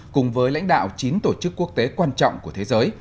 cùng với lãnh đạo chín tổ chức quốc tế quan trọng của thế giới